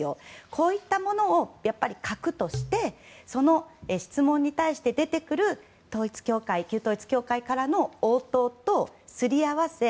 こういったものを核としてその質問に対して出てくる旧統一教会からの応答とすり合わせ